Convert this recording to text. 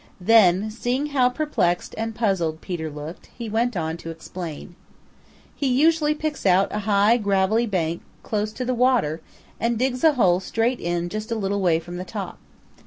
Then seeing how perplexed and puzzled Peter looked, he went on to explain. "He usually picks out a high gravelly bank close to the water and digs a hole straight in just a little way from the top.